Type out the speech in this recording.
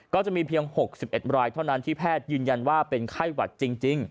จะมีเพียง๖๑รายเท่านั้นที่แพทย์ยืนยันว่าเป็นไข้หวัดจริง